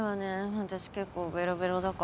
私結構ベロベロだから。